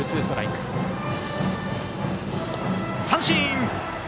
三振！